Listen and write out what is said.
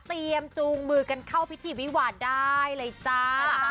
จูงมือกันเข้าพิธีวิวาได้เลยจ้า